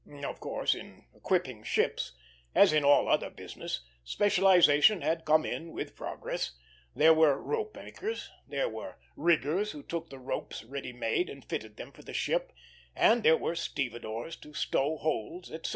Of course, in equipping ships, as in all other business, specialization had come in with progress; there were rope makers, there were riggers who took the ropes ready made and fitted them for the ship, and there were stevedores to stow holds, etc.